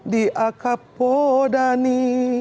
di a kapo dani